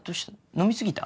飲み過ぎた？